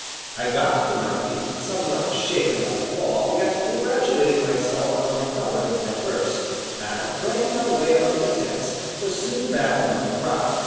I got to my feet, somewhat shaken by the fall, yet congratulating myself on the recovery of my purse, and, threading my way among the tents, was soon back among the crowd.